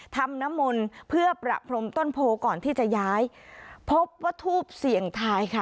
ทำน้ำมนต์เพื่อประพรมต้นโพก่อนที่จะย้ายพบว่าทูบเสี่ยงทายค่ะ